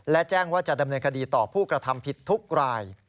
และแจ้งว่าจะดำเนินคดีต่อผู้กระทำผิดทุกราย